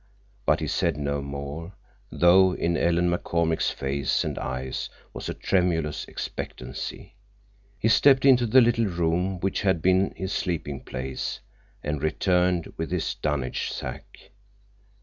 But he said no more, though in Ellen McCormick's face and eyes was a tremulous expectancy. He stepped into the little room which had been his sleeping place, and returned with his dunnage sack.